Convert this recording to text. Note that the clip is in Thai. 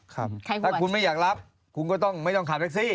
ถ้าคุณไม่อยากรับคุณก็ต้องไม่ต้องขับแท็กซี่